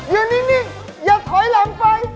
อยู่นิ่งอย่าถอยหลังไป